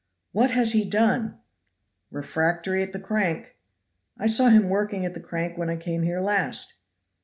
"What has he done?" "Refractory at crank." "I saw him working at the crank when I came here last."